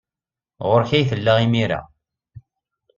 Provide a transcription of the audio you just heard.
Ɣer-k ay tella imir-a.